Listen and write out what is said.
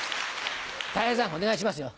たい平さんお願いしますよ